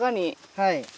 はい。